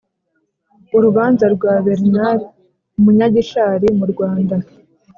Urubanza rwa Bernard Munyagishali mu Rwanda.